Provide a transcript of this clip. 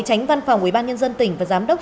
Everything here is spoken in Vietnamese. tránh văn phòng ubnd tỉnh và giám đốc